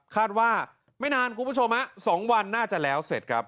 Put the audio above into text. คาดว่าไม่นานคุณผู้ชม๒วันน่าจะแล้วเสร็จครับ